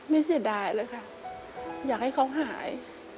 เสียดายเลยค่ะอยากให้เขาหาย